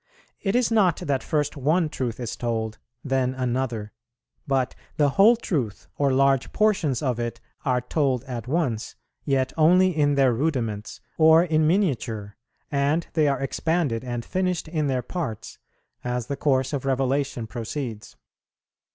It is not that first one truth is told, then another; but the whole truth or large portions of it are told at once, yet only in their rudiments, or in miniature, and they are expanded and finished in their parts, as the course of revelation proceeds.